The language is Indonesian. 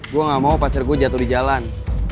gue gak mau pacar gue jatuh di jalan